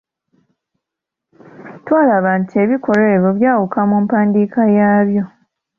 Twalaba nti ebikolwa ebyo byawuka mu mpandiika yaabyo.